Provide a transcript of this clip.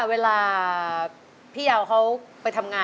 เวลา